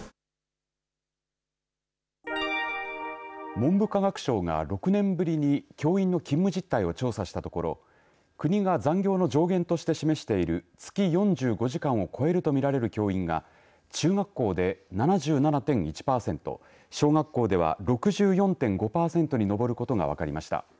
文部科学省が６年ぶりに教員の勤務実態を調査したところ国が残業の上限として示している月４５時間を超えると見られる教員が中学校で７７．１パーセント小学校では６４．５パーセントに上ることが分かりました。